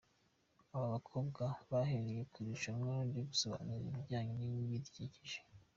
Aba bakobwa bahereye ku irushanwa ryo gusobanura ibijyanye n’ibidukikije.